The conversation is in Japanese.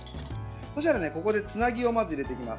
そうしたら、ここでつなぎをまず入れていきます。